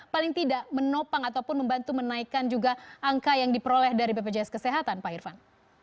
paling tidak menopang ataupun membantu menaikkan juga angka yang diperoleh dari bpjs kesehatan pak irfan